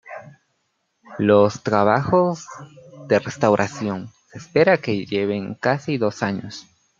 Los trabajos de restauración se espera que lleven casi dos años.